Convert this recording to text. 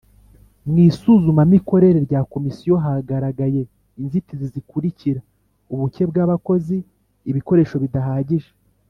Mu isuzumamikorere rya Komisiyo hagaragaye inzitizi zikurikira ubuke bw abakozi ibikoresho bidahagije